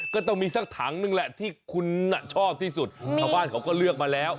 ก็ต้องมีสักถังนึงแหละที่คุณชอบที่สุดชาวบ้านเขาก็เลือกมาแล้ว